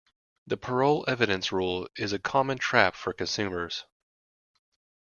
The parol evidence rule is a common trap for consumers.